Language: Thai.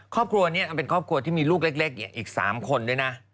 ครอบครัวนี้มันเป็นครอบครัวที่มีลูกเล็กอีก๓คนด้วยนะ